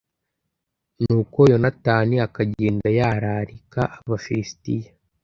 nuko yonatani akagenda yararika abafilisiti